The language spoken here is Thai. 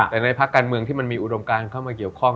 แต่ในภาคการเมืองที่มันมีอุดมการเข้ามาเกี่ยวข้อง